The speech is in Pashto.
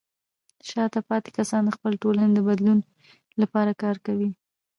شاته پاتې کسان د خپلې ټولنې د بدلون لپاره کار کوي.